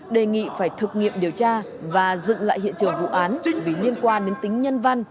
đề nghị phải thực nghiệm điều tra và dựng lại hiện trường vụ án vì liên quan đến tính nhân văn